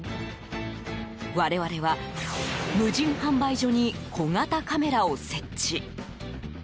我々は無人販売所に小型カメラを設置。